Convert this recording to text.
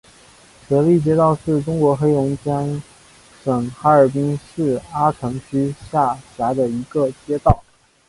舍利街道是中国黑龙江省哈尔滨市阿城区下辖的一个街道。